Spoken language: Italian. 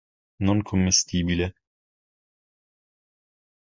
Non commestibile.